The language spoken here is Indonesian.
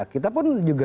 kita pun juga